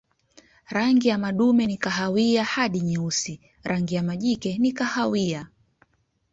Rangi ya madume ni kahawia hadi nyeusi, rangi ya majike ni kahawia.